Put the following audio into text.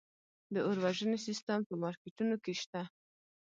د اور وژنې سیستم په مارکیټونو کې شته؟